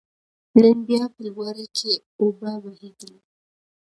نن بيا په لوړه کې اوبه بهېدلې